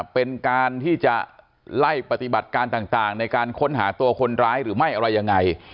เป็นการที่จะไล่ปฏิบัติการต่างในการค้นหาตัวคนร้ายหรือไม่อะไรยังไง